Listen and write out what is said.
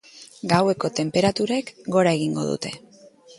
Gaueko tenperaturek gora egingo dute.